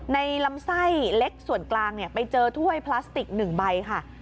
ลำไส้เล็กส่วนกลางไปเจอถ้วยพลาสติก๑ใบค่ะ